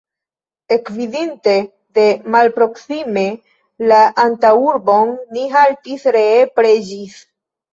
Ekvidinte de malproksime la antaŭurbon, ni haltis, ree preĝis.